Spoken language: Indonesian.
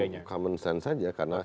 itu sebenarnya common sense saja